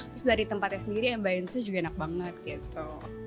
terus dari tempatnya sendiri yang bayangin saya juga enak banget gitu